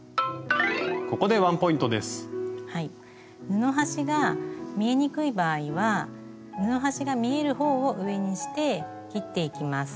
布端が見えにくい場合は布端が見える方を上にして切っていきます。